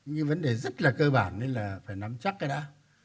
nhưng vấn đề rất là cơ bản nên là phải nắm chắc cái đã